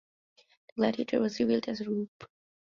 The Gladiator was revealed as Roop.